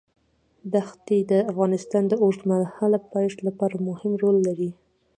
دښتې د افغانستان د اوږدمهاله پایښت لپاره مهم رول لري.